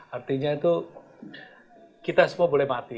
artinya itu kita semua boleh mati